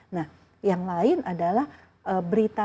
nah yang lain adalah berita